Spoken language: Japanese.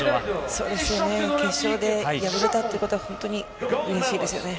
そうですよね、決勝で敗れたってことは、本当に悔しいですよね。